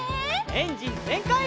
エンジンぜんかい！